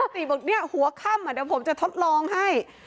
ติบอกเนี่ยหัวค่ำเดี๋ยวผมจะทดลองให้